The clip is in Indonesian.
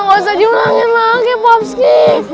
nggak usah dimulain lagi papsky